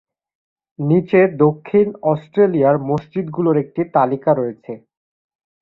নীচে দক্ষিণ অস্ট্রেলিয়ার মসজিদগুলির একটি তালিকা রয়েছে।